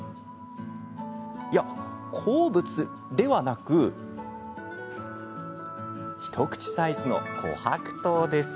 いや、鉱物？ではなく一口サイズの琥珀糖です。